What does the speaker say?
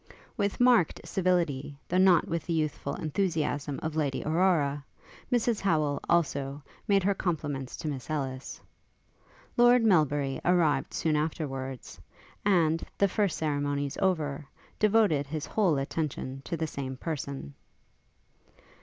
With marked civility, though not with the youthful enthusiasm of Lady Aurora, Mrs Howel, also, made her compliments to Miss Ellis. Lord Melbury arrived soon afterwards, and, the first ceremonies over, devoted his whole attention to the same person.